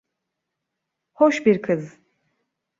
Hoş bir kız.